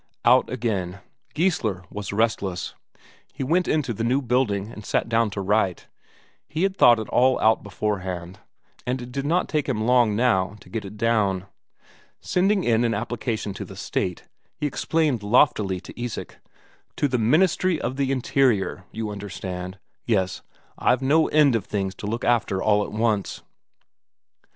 Out again. Geissler was restless, he went into the new building and sat down to write. He had thought it all out beforehand, and it did not take long now to get it down. Sending in an application to the State, he explained loftily to Isak "to the Ministry of the Interior, you understand. Yes, I've no end of things to look after all at once."